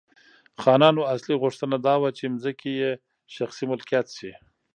خانانو اصلي غوښتنه دا وه چې ځمکې یې شخصي ملکیت شي.